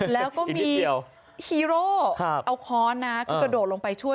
แล้วก็มีฮีโร่เอาค้อนนะคือกระโดดลงไปช่วย